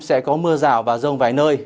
sẽ có mưa rào và rông vài nơi